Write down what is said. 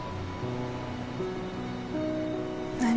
何？